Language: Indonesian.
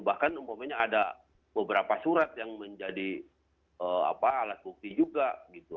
bahkan umpamanya ada beberapa surat yang menjadi alat bukti juga gitu